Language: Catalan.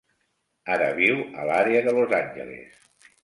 Ara viu a l'àrea de Los Angeles.